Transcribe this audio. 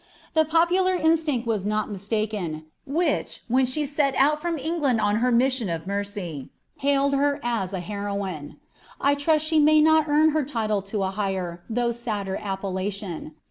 The popular instinct was not mistaken, which, when she set out from England on her mission of mercy, hailed her as a heroine; I trust she may not earn her title to a higher, though sadder, appellation.